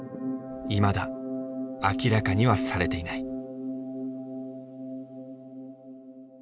いまだ明らかにはされていない。